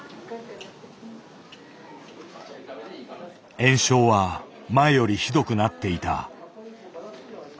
炎症は前よりひどくなっていた。